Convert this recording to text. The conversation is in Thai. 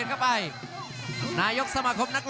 รับทราบบรรดาศักดิ์